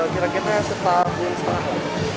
kira kira setahun setahun